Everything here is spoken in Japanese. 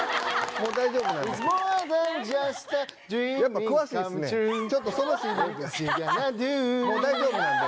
もう大丈夫なんで。